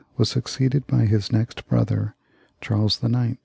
was succeeded by his next brother, Charles IX.